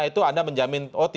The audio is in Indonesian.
itu anda menjamin